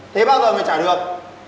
thế bao giờ mày trả được